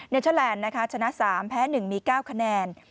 เทอร์แลนด์นะคะชนะ๓แพ้๑มี๙คะแนน